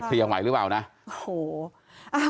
จะเคลียร์ไหมรึเป็นบ้างนะอ่า